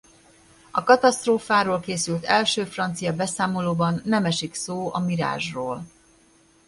A katasztrófáról készült első francia beszámolóban nem esik szó a Mirage-ról.